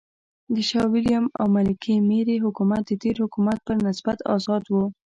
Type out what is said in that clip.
د شاه وېلیم او ملکې مېري حکومت د تېر حکومت پر نسبت آزاد و.